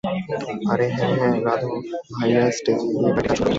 আরে, হ্যাঁ হ্যাঁ রাধে ভাইয়া স্টেজে গিয়ে কয়েকটা গান শুনান!